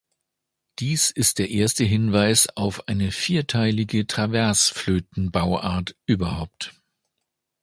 Dies ist der erste Hinweis auf eine vierteilige Traversflöten-Bauart überhaupt.